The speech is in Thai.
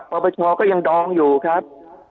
ปปชก็ยังดองอยู่ครับ